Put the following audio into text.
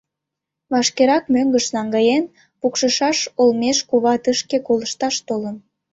Вашкерак мӧҥгыш наҥгаен пукшышаш олмеш кува тышке колышташ толын.